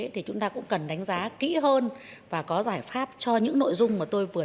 thì chúng ta cũng cần đánh giá kỹ hơn và có giải pháp cho những nội dung mà tôi vừa